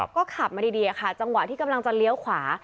ก็ขับมาดีค่ะจังหวะที่กำลังจะเลี้ยวขวา